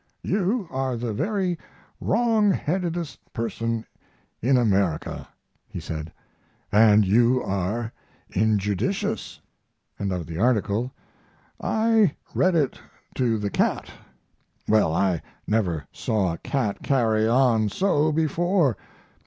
"You are the very wrong headedest person in America," he said; "and you are injudicious." And of the article: "I read it to the cat well, I never saw a cat carry on so before....